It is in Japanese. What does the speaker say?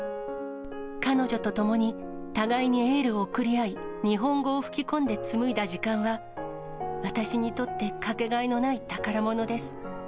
彼女と共に、互いにエールを送り合い、日本語を吹き込んで紡いだ時間は、私にとって掛けがえのない宝物です。